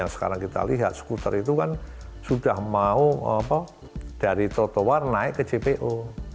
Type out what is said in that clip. sekarang kita lihat skuter itu kan sudah mau dari trotoar naik ke jpo